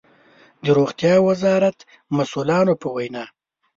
د روغتيا وزارت مسؤلانو په وينا